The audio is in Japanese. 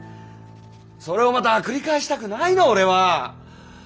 それをまた繰り返したくないの俺は。